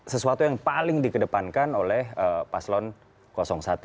sesuatu yang paling dikedepankan oleh paslon satu